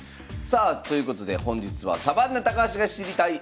さあということで本日はサバンナ高橋が知りたい！